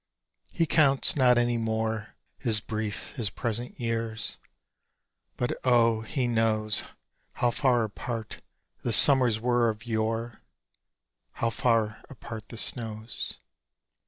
He counts not any more His brief, his present years. But O he knows How far apart the summers were of yore, How far apart the snows.